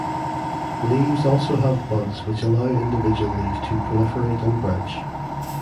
Leaves also have buds which allow individual leaves to proliferate and branch.